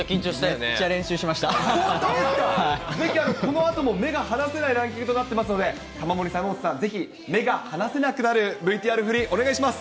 ぜひ、このあとも目が離せないランキングとなってますので、玉森さん、矢本さん、ぜひ目が離せなくなるＶＴＲ振り、お願いします。